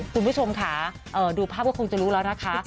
คุณผู้ชมค่ะดูภาพก็คงจะรู้แล้วนะคะ